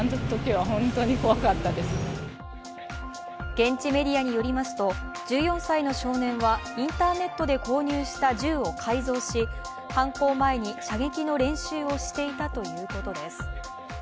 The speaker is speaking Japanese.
現地メディアによりますと１４歳の少年はインターネットで購入した銃を改造し犯行前に射撃の練習をしていたということです。